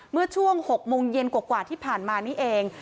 เมื่อช่วง๖โมงเย็นกว่าที่ผ่านมานี่เอง